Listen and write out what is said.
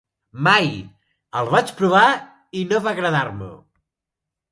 Mai! El vaig provar i no va agradar-me.